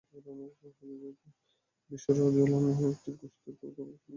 হযরত বিশর রাযিয়াল্লাহু আনহু একটি গোস্তের টুকরো কেটে মুখে দিয়ে গিলে ফেলেন।